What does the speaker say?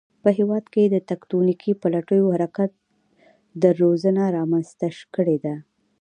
په هېواد کې تکتونیکی پلیټو حرکت درزونه رامنځته کړي دي